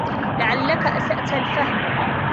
لعلك أسأت الفهم.